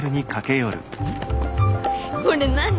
これ何？